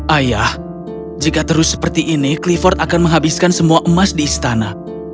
ayah jika terus seperti ini clifford akan menghabiskan semua emas di istana